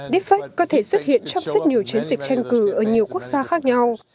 defec có thể xuất hiện trong rất nhiều chiến dịch tranh cử ở nhiều quốc gia khác nhau